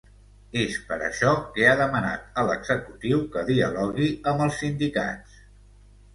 És per això que ha demanat a l’executiu que dialogui amb els sindicats.